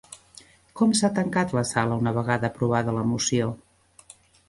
Com s'ha tancat la sala una vegada aprovada la moció?